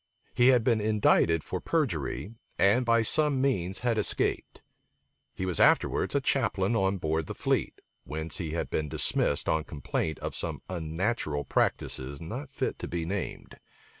He had been indicted for perjury, and by some means had escaped. He was afterwards a chaplain on board the fleet; whence he had been dismissed on complaint of some unnatural practices not fit to be named.